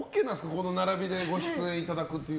この並びでご出演いただくという。